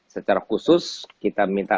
secara khusus kita minta